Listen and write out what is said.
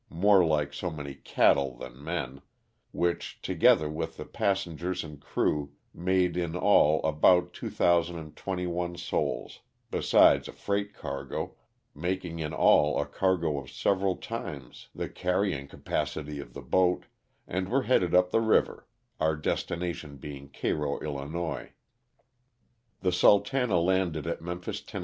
more like so many cattle than men, which, together with the passengers and crew, made in all about 2,021 souls, besides a freight cargo, making in all a cargo of several times the carrying 126 LOSS OF THE SULTANA. capacity of the boat, and were headed up the river, our destination being Cairo, 111. The '*Sultana" landed at Memphis, Tenn.